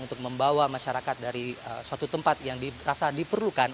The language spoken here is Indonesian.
untuk membawa masyarakat dari suatu tempat yang dirasa diperlukan